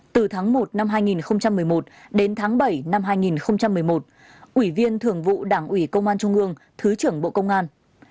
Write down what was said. từ tháng một năm hai nghìn một mươi một đến tháng bảy năm hai nghìn một mươi một ủy viên thường vụ đảng ủy công an trung ương thứ trưởng bộ công an